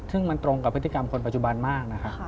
ซึ่งมันตรงกับพฤติกรรมคนปัจจุบันมากนะครับ